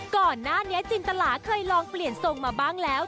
ก่อนหน้านี้จินตลาเคยลองเปลี่ยนทรงมาบ้างแล้ว